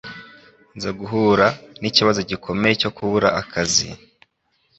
nza guhura n'ikibazo gikomeye cyo kubura akazi,